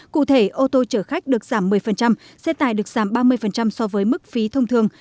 cụ thể ô tô chở khách được giảm một mươi xe tải được giảm ba mươi so với mức phí thông thường